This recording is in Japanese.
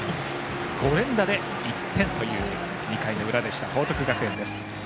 ５連打で１点という２回の裏でした報徳学園です。